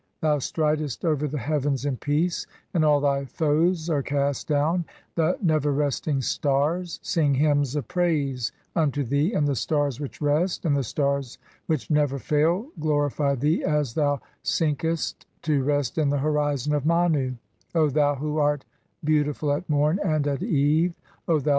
Thou stridest over the "heavens in peace, and all thy foes are cast down ; the never "resting stars (5) sing hymns of praise unto thee, and the stars "which rest, and the stars which never fail glorify thee as thou "(6) sinkest to rest in the horizon of Mania, 1 O thou who art "beautiful at morn and at eve, O thou lord who livest and art "established, O my lord